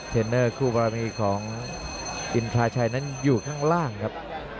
เทรนเนอร์คู่ปราบินิทของอินทราชัยนั้นอยู่ข้างล่างครับ